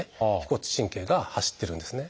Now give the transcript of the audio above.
腓骨神経が走ってるんですね。